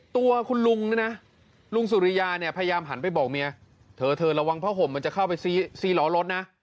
ตัวคุณลุงน่ะลูงสุริยาเนี่ยพยายามหันไปบอกเมียเถอะระวังผ้าผมเค้าเป้สี่หล้อหรอดนะ